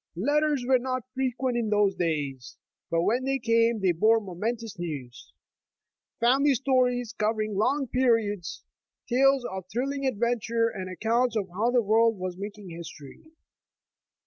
Letters were not frequent in those days, but when they came, they bore momentous news — family stories covering long periods, tales of thrilling adventure, and accounts of how the world was making history.